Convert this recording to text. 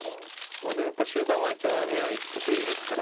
まあでもやっぱ終盤は一番ＡＩ得意ですから。